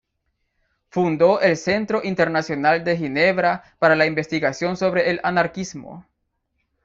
Fundó el "Centro Internacional de Ginebra para la Investigación sobre el anarquismo".